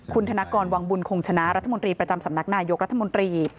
คุณธนกรวังบุญคงชนะรัฐมนตรีประจำสำนักนายกรัฐมนตรี